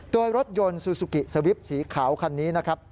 โดยรถยนต์ซูซูกิสวิปสีขาวคันนี้นะครับ